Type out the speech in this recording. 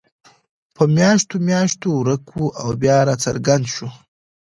په میاشتو میاشتو ورک وو او بیا راڅرګند شو.